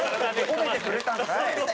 褒めてくれたんかい！